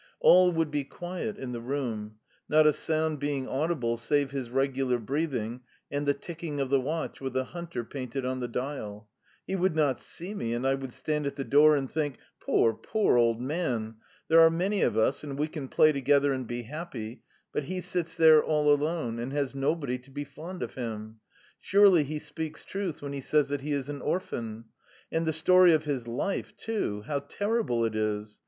All would be quiet in the room not a sound being audible save his regular breathing and the ticking of the watch with the hunter painted on the dial. He would not see me, and I would stand at the door and think: "Poor, poor old man! There are many of us, and we can play together and be happy, but he sits there all alone, and has nobody to be fond of him. Surely he speaks truth when he says that he is an orphan. And the story of his life, too how terrible it is!